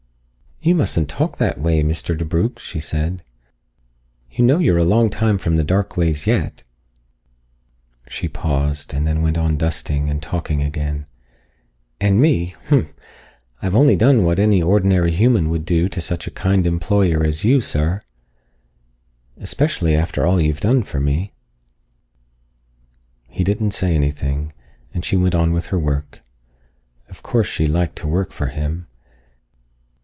"You mustn't talk that way, Mr. DeBrugh," she said. "You know you're a long time from the dark ways yet." She paused, and then went on dusting and talking again. "And me humph I've only done what any ordinary human would do to such a kind employer as you, sir. Especially after all you've done for me." He didn't say anything, and she went on with her work. Of course she liked to work for him.